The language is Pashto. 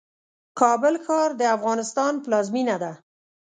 کابل ښار د افغانستان پلازمېنه ده